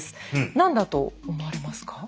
何だと思われますか？